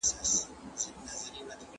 فشار او اضطراب توپیر لري.